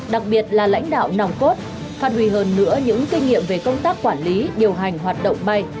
đặc biệt là lãnh đạo nòng cốt phát huy hơn nữa những kinh nghiệm về công tác quản lý điều hành hoạt động bay